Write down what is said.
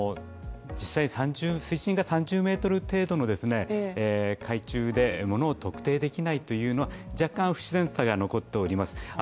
実際、水深が３０ｍ程度の海中でものを特定できないというのは若干不自然さが残っております。